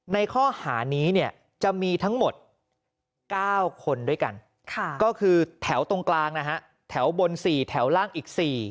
ในข้อหานี้เนี่ยจะมีทั้งหมด๙คนด้วยกันก็คือแถวตรงกลางนะฮะแถวบน๔แถวล่างอีก๔